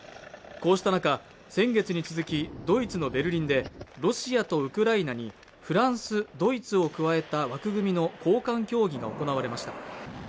こうした中先月に続きドイツのベルリンでロシアとウクライナにフランス、ドイツを加えた枠組みの高官協議が行われました